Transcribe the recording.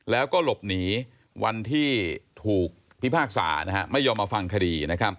แล้วก็หลบหนีวันที่ถูกพิพากษาไม่ยอมมาฟังคดี